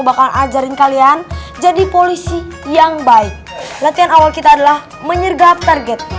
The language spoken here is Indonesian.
bakal ajarin kalian jadi polisi yang baik latihan awal kita adalah menyergap target